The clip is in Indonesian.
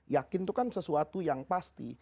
yakin itu kan sesuatu yang pasti